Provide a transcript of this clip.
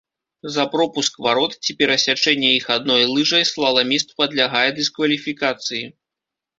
За пропуск варот ці перасячэнне іх адной лыжай слаламіст падлягае дыскваліфікацыі.